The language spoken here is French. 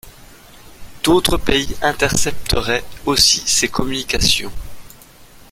D'autres pays intercepteraient aussi ces communications.